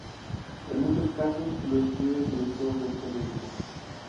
En muchos casos, lo escribe el director del periódico.